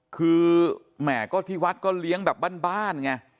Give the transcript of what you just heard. คือแหมก็ที่วัดก็เลี้ยงแบบบ้านไง